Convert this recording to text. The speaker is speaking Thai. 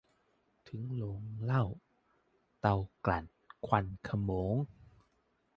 ถึงโรงเหล้า เตากลั่น ควันโขมง